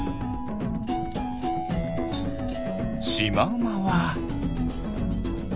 シマウマは。